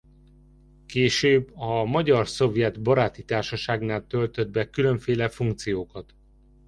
Később a Magyar–Szovjet Baráti Társaságnál töltött be különféle funkciókat.